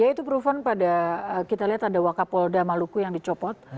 yaitu proven pada kita lihat ada wakapolda maluku yang dicopot